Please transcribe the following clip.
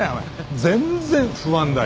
全然不安だよ。